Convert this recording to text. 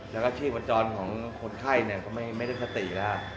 แล้วก็ที่ประจอนของคนไข้เนี่ยก็ไม่ได้คติแล้ว